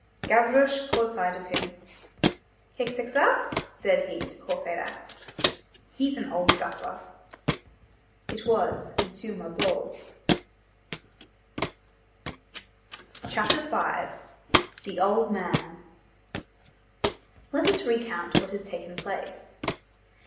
Gavroche caught sight of him:— "Keksekça?" said he to Courfeyrac. "He's an old duffer." It was M. Mabeuf. CHAPTER V—THE OLD MAN Let us recount what had taken place.